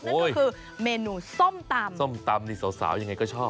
นั่นก็คือเมนูส้มตำส้มตำนี่สาวยังไงก็ชอบ